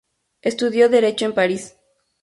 Estudió Derecho en París.